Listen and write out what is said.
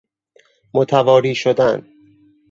متواری شدن